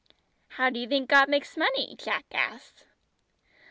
"How do you think God makes money?" Jack asked.